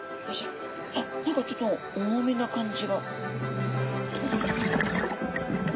何かちょっと重めな感じが。